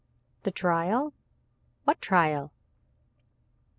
"The trial! What trial?"